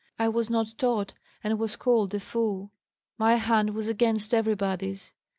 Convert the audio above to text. I was not taught and was called a fool. My hand was against everybody's.